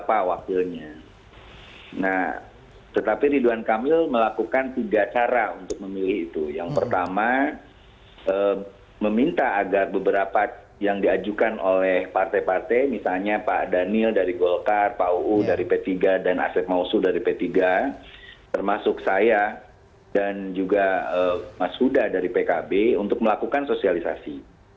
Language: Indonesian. nah ridwan kamil memiliki kekuatan untuk memilih siapa wakilnya nah tetapi ridwan kamil melakukan tiga cara untuk memilih itu yang pertama meminta agar beberapa yang diajukan oleh partai partai misalnya pak daniel dari golkar pak uu dari p tiga dan aset mausu dari p tiga termasuk saya dan juga mas huda dari pkb untuk melakukan sosialisasi